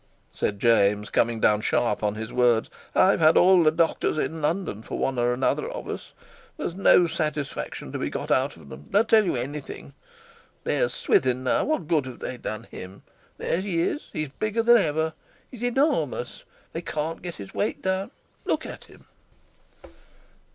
said James, coming down sharp on his words: "I've had all the doctors in London for one or another of us. There's no satisfaction to be got out of them; they'll tell you anything. There's Swithin, now. What good have they done him? There he is; he's bigger than ever; he's enormous; they can't get his weight down. Look at him!"